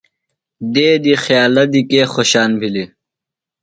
دیدیۡ خیالہ دی کے خوشان بِھلیۡ؟